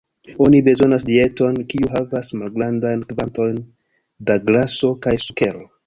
Oni bezonas dieton kiu havas malgrandajn kvantojn da graso kaj sukero.